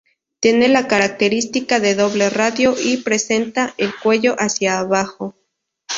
Tiene la característica de doble radio y presenta el cuello hacia abajo.